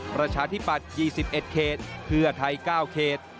ประชาธิปัตย์๒๑เขตเพื่อไทย๙เขต